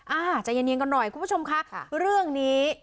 อ่าใจเย็นกันหน่อยคุณผู้ชมค่ะเรื่องนี้